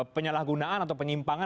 penyalahgunaan atau penyimpangan